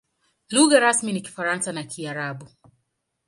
Lugha rasmi ni Kifaransa na Kiarabu.